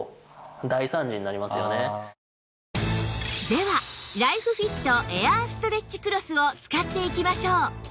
ではライフフィットエアーストレッチクロスを使っていきましょう